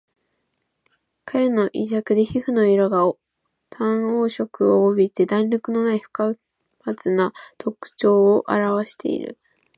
彼は胃弱で皮膚の色が淡黄色を帯びて弾力のない不活発な徴候をあらわしている